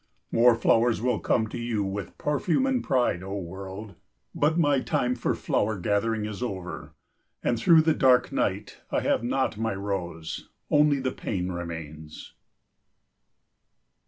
More flowers will come to you with perfume and pride, O world! But my time for flower gathering is over, and through the dark night I have not my rose, only the pain remains.